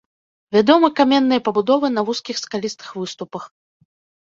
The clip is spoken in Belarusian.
Вядомы каменныя пабудовы на вузкіх скалістых выступах.